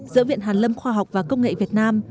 giữa viện hàn lâm khoa học và công nghệ việt nam